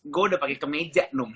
gue udah pake kemeja num